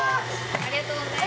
ありがとうございます。